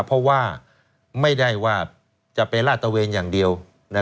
เพราะว่าไม่ได้ว่าจะไปลาดตะเวนอย่างเดียว